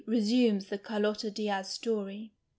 resumes the Carlotta Dia/ story.